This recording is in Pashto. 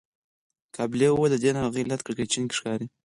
قابلې وويل د دې ناروغې حالت کړکېچن ښکاري.